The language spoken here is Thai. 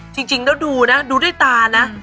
จริงแล้วดูนะดูด้วยตานะ